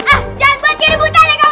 ah jangan buat gini putar haikal